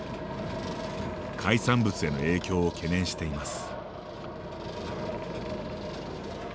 海産物への影響を懸念しています。